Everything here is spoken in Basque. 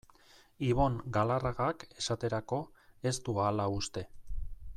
Ibon Galarragak, esaterako, ez du hala uste.